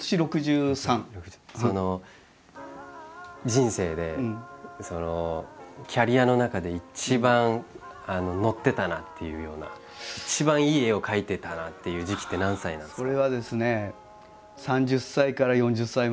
人生でキャリアの中で一番のってたなっていうような一番いい絵を描いてたなっていう時期って何歳なんですか？